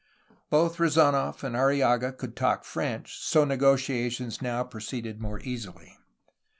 Both Re zdnof and Arrillaga could talk French; so negotiations now proceeded more easily.